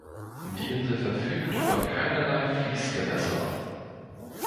Die Insel verfügt über keinerlei Fließgewässer.